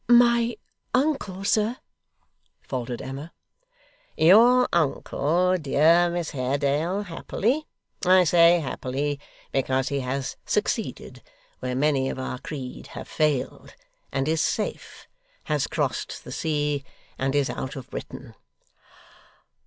'My uncle, sir ' faltered Emma. 'Your uncle, dear Miss Haredale, happily I say happily, because he has succeeded where many of our creed have failed, and is safe has crossed the sea, and is out of Britain.